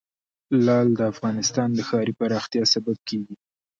لعل د افغانستان د ښاري پراختیا سبب کېږي.